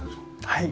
はい。